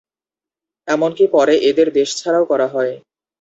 এমনকি পরে এদের দেশছাড়াও করা হয়।